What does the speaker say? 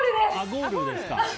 ゴールです！